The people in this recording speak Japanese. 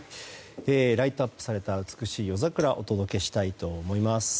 ライトアップされた美しい夜桜をお届けしたいと思います。